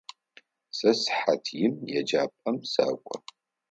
Сэ сыхьат им еджапӏэм сэкӏо.